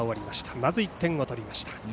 まず１点を取りました。